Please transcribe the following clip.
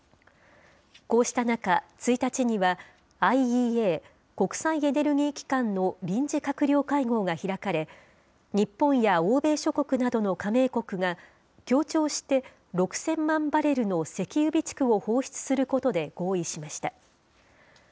こうした中、１日には、ＩＥＡ・国際エネルギー機関の臨時閣僚会合が開かれ、日本や欧米諸国などの加盟国が協調して６０００万バレルの石油備蓄を放出することで合意しました。